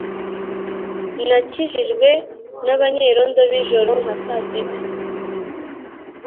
Nakijijwe nabanyerondo bijoro nkasisita